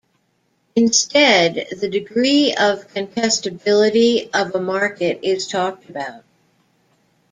Instead, the degree of contestability of a market is talked about.